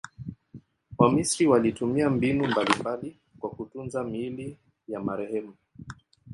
Wamisri walitumia mbinu mbalimbali kwa kutunza miili ya marehemu.